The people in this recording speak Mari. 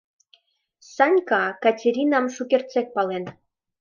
Санька Катеринам шукертсек пален.